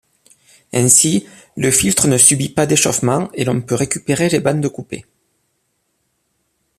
Ainsi, le filtre ne subit pas d'échauffement et l’on peut récupérer les bandes coupées.